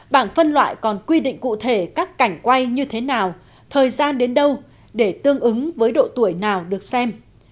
bảng phân loại còn quy định cụ thể các cảnh quay như thế nào thời gian đến đâu để tương ứng với độ tuổi nào được xem